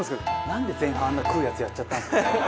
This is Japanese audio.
なんで前半あんな食うやつやっちゃったんですか？